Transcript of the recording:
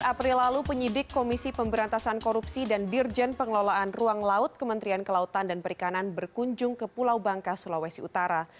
dua puluh april lalu penyidik komisi pemberantasan korupsi dan dirjen pengelolaan ruang laut kementerian kelautan dan perikanan berkunjung ke pulau bangka sulawesi utara